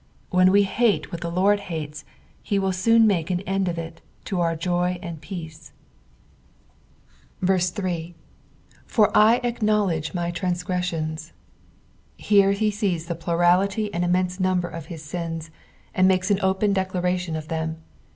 Wlien we hate what the Lord' hates, he will sooa make an end of it, to our Jo; and peace. S. "Fcrr I ackiioieledga my tranit^ettiana." Here he Beea the plurality nnil iDUDenst) number of hia stna, and makea open deekration of them.